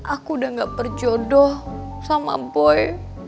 aku udah gak berjodoh sama boy